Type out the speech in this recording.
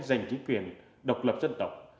giành chính quyền độc lập dân tộc